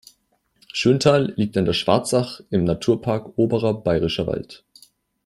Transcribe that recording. Schönthal liegt an der Schwarzach im Naturpark Oberer Bayerischer Wald.